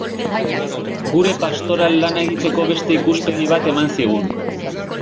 Gure pastoral lana egiteko beste ikuspegi bat eman zigun.